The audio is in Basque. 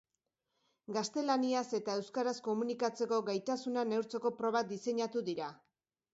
Gaztelaniaz eta euskaraz komunikatzeko gaitasuna neurtzeko probak diseinatu dira.